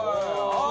あっ！